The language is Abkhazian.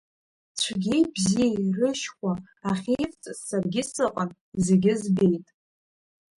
Цәгьеи бзиеи рышьхәа ахьеивҵаз саргьы сыҟан зегьы збеит.